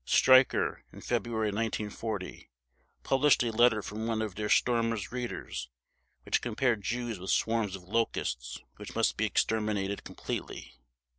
Streicher, in February 1940, published a letter from one of Der Stürmer's readers which compared Jews with swarms of locusts which must be exterminated completely.